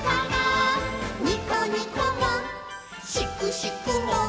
「にこにこもしくしくも」